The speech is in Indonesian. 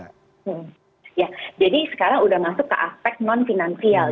jadi sekarang sudah masuk ke aspek non finansial